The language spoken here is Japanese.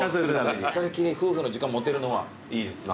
二人きり夫婦の時間持てるのはいいですよね。